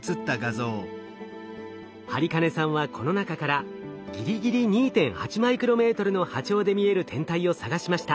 播金さんはこの中からぎりぎり２．８マイクロメートルの波長で見える天体を探しました。